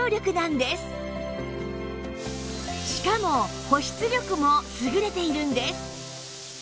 しかも保湿力も優れているんです